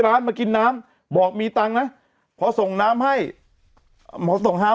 ร้านมากินน้ำบอกมีตังค์นะพอส่งน้ำให้หมอส่งห้าม